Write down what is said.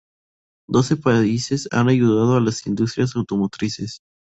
Doce países han ayudado a sus industrias automotrices.